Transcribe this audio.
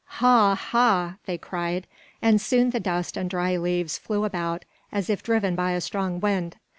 "Haw! haw!" they cried, and soon the dust and dry leaves flew about as if driven by a strong wind.